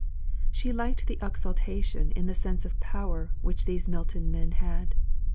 She liked the exultation in the sense of power which these Milton men had.